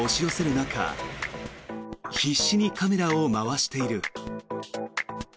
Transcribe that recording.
中必死にカメラを回している。